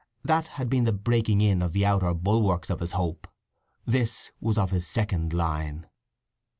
That had been the breaking in of the outer bulwarks of his hope: this was of his second line.